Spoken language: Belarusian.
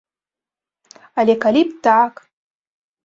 Але калі б так!